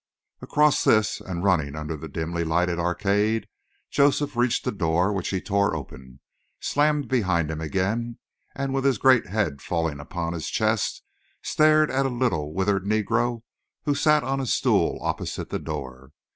Across this, and running under the dimly lighted arcade, Joseph reached a door which he tore open, slammed behind him again, and with his great head fallen upon his chest, stared at a little withered Negro who sat on a stool opposite the door.